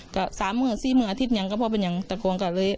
ก็สามเมื่อสี่เมื่ออาทิตย์นั้นก็พอไปยังตระกว้างกันเลย